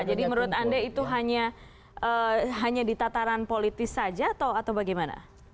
jadi menurut anda itu hanya di tataran politis saja atau bagaimana